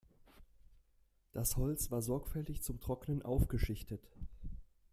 Das Holz war sorgfältig zum Trocknen aufgeschichtet.